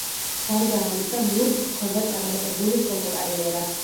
გარდა ამისა, მურს ჰქონდა წარმატებული სოლო კარიერა.